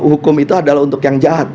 hukum itu adalah untuk yang jahat